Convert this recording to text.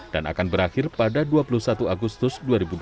dan akan berakhir pada dua puluh satu agustus dua ribu dua puluh dua